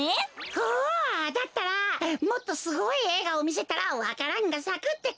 おおだったらもっとすごいえいがをみせたらわか蘭がさくってか。